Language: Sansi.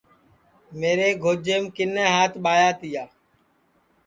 میرے گوجیم کِنے ہات ٻایا تیا